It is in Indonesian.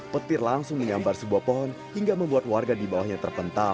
petir langsung menyambar sebuah pohon hingga membuat warga di bawahnya terpental